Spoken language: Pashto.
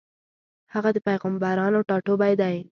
هغه د پېغمبرانو ټاټوبی دی.